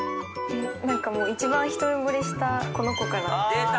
何かもう一番一目ぼれしたこの子から出た！